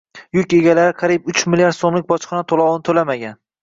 Yuk egalari qariybuchmilliard so‘mlik bojxona to‘lovini to‘lamagan